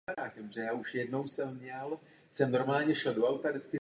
V suterénu budovy je provozováno Středisko volného času.